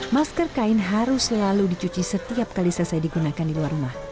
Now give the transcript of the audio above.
masker kain harus selalu dicuci setiap kali selesai digunakan di luar rumah